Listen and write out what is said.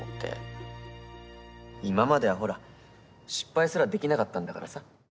今まではほら失敗すらできなかったんだからさ。